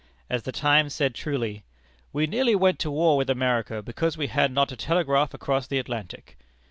As The Times said truly: "We nearly went to war with America because we had not a telegraph across the Atlantic."